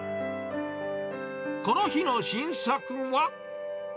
この日の新作は。